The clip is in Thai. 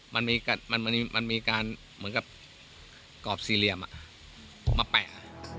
มันมีการเหมือนกับกรอบสี่เหลี่ยมมาแปะ